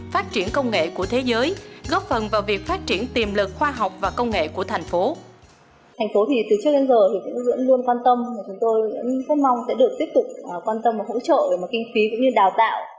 phát triển công nghệ của thế giới góp phần vào việc phát triển tiềm lực khoa học và công nghệ của thành phố